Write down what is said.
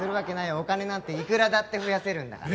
お金なんていくらだって増やせるんだから。